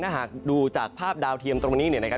ถ้าหากดูจากภาพดาวเทียมตรงนี้เนี่ยนะครับ